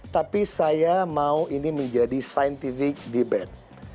tapi saya mau ini menjadi perbincangan ilmiah